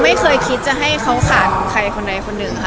ไม่เคยคิดจะให้เขาขาดของใครคนใดคนหนึ่งค่ะ